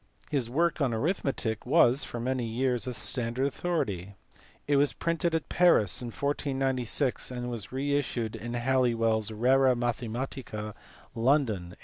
His work on arithmetic was for many years a standard authority: it was printed at Paris in 1496, and was re issued in Halli well s Rura Mathematica, London, 1841.